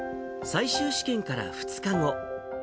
最終試験から２日後。